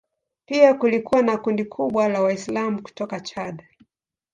Pia kulikuwa na kundi kubwa la Waislamu kutoka Chad.